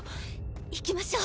行きましょう。